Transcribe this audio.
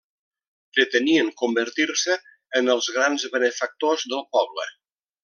Pretenien convertir-se en els grans benefactors del poble.